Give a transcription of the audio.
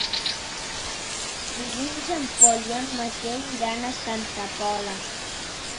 Dilluns en Pol i en Mateu iran a Santa Pola.